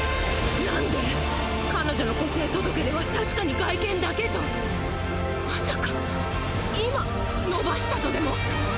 何で彼女の個性届では確かに外見だけとまさか今伸ばしたとでも！？